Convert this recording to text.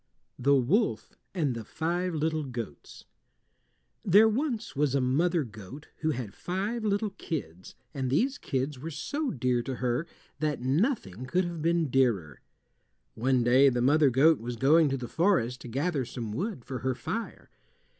THE WOLF AND THE FIVE LITTLE GOATS There was once a mother goat who had five little kids, and these kids were so dear to her that nothing could have been dearer. One day the mother goat was going to the forest to gather some wood for her fire.